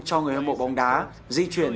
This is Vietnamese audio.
cho người hâm mộ bóng đá di chuyển